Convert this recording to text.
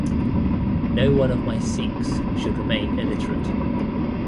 No one of my Sikhs should remain illiterate.